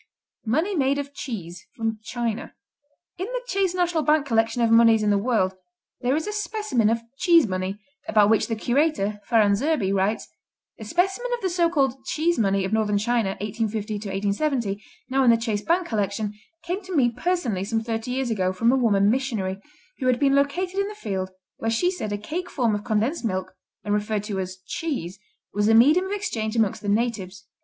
Money made of cheese China In the Chase National Bank collection of moneys of the world there is a specimen of "Cheese money" about which the curator, Farran Zerbee, writes: "A specimen of the so called 'cheese money' of Northern China, 1850 70, now in the Chase Bank collection, came to me personally some thirty years ago from a woman missionary, who had been located in the field where she said a cake form of condensed milk, and referred to as 'cheese,' was a medium of exchange among the natives.